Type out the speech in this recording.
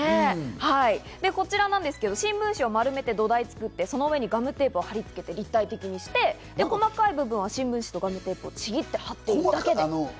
新聞紙を丸めて土台を作って、その上にガムテープを貼りつけて、立体的にして、細かい部分は新聞紙とガムテープをちぎって貼ったようです。